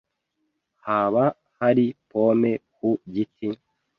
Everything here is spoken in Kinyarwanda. Haba hari pome ku giti?